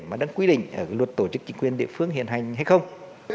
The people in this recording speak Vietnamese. mà đang quy định ở luật tổ chức chính quyền địa phương hiện hành hay không